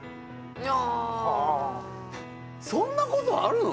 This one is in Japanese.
あはそんなことあるの？